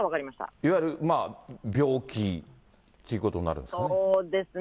いわゆる病気ということになるんですね。